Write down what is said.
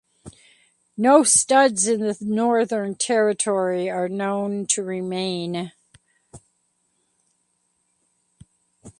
No studs in the Northern Territory are known to remain.